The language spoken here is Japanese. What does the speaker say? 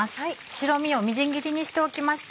白身をみじん切りにしておきました。